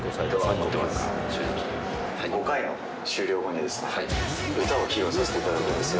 ５回の終了後に歌を披露させていただくんですよ。